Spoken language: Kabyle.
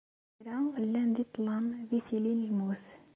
Kra, llan di ṭṭlam, di tili n lmut.